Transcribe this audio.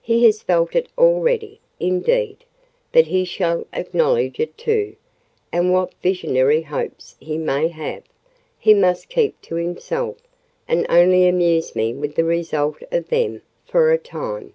He has felt it already, indeed: but he shall acknowledge it too; and what visionary hopes he may have, he must keep to himself, and only amuse me with the result of them—for a time."